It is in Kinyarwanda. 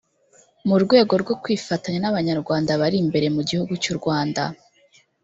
mu rwego rwo kwifatanya n’Abanyarwanda bari imbere mu gihugu cy’u Rwanda